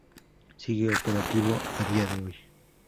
Sigue operativo a día de hoy.